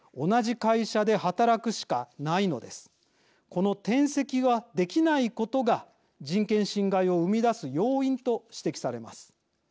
この転籍はできないことが人権侵害を生み出す要因と指摘されます。